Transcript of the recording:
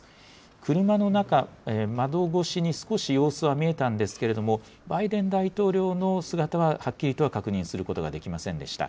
車の中、窓越しに少し様子は見えたんですけれども、バイデン大統領の姿ははっきりとは確認することができませんでした。